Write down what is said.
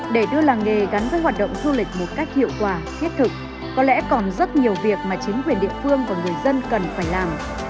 để đưa làng nghề gắn với hoạt động du lịch một cách hiệu quả thiết thực có lẽ còn rất nhiều việc mà chính quyền địa phương và người dân cần phải làm